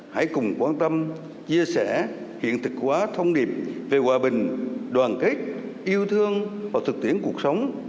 hãy cùng quan tâm chia sẻ hiện thực hóa thông điệp về hòa bình đoàn kết yêu thương và thực tiễn cuộc sống